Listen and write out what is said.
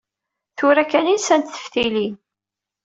Tura kan i nsant teftilin.